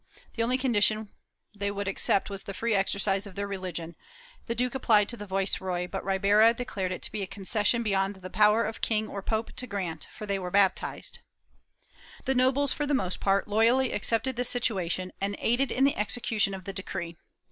The only condition they would accept was the free exercise of their religion; the Duke applied to the viceroy, but Ribera declared it to be a concession beyond the power of king or pope to grant, for they were baptized/ The nobles, for the most part, loyally accepted the situation and aided in the execution of the decree.